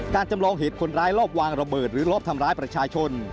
จำลองเหตุคนร้ายรอบวางระเบิดหรือรอบทำร้ายประชาชน